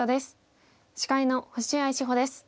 司会の星合志保です。